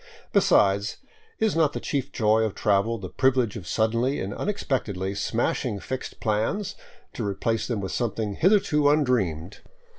Besides, is not the chief joy of travel the privilege of suddenly and unexpectedly smashing fixed plans, to replace them with something hitherto undreamed?